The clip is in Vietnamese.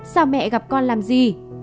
sao mẹ gặp con làm gì